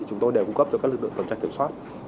chúng tôi đều cung cấp cho các lực lượng tổng trách kiểm soát